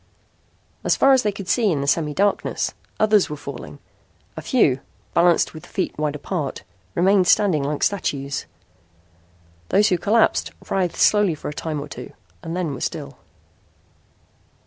As far as they could see in the semidarkness, others were falling. A few, balanced with feet wide apart, remained standing like statues. Those who collapsed writhed slowly a time or two and were still.